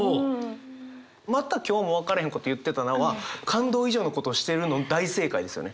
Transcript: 「また今日も分からへんこと言ってたな」は感動以上のことをしてるの大正解ですよね。